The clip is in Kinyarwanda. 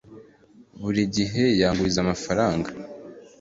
buri gihe yanguriza amafaranga